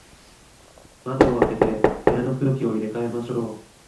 窓を開けて、部屋の空気を入れ替えましょう。